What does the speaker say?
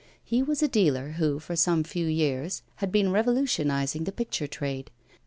He was a dealer, who, for some few years, had been revolutionising the picture trade.